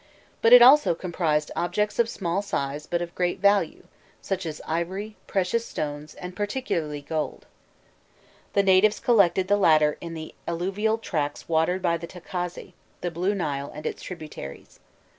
But it also comprised objects of small size but of great value, such as ivory, precious stones, and particularly gold. The natives collected the latter in the alluvial tracts watered by the Tacazze, the Blue Nile and its tributaries.